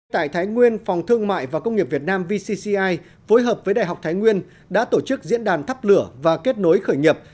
tại thái nguyên phòng thương mại và công nghiệp việt nam vcci phối hợp với đại học thái nguyên đã tổ chức diễn đàn thắp lửa và kết nối khởi nghiệp